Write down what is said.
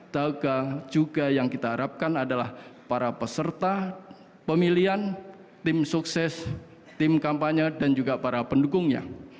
dagang juga yang kita harapkan adalah para peserta pemilihan tim sukses tim kampanye dan juga para pendukungnya